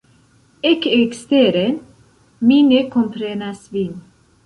Ekeksteren! Mi ne komprenas vin